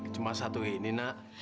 cuma satu ini nak